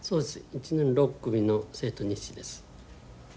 １年６組の生徒日誌です。